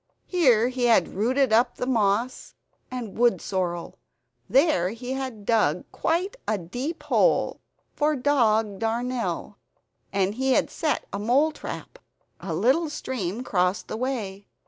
Here he had rooted up the moss and wood sorrel. There he had dug quite a deep hole for dog darnel; and had set a mole trap. A little stream crossed the way.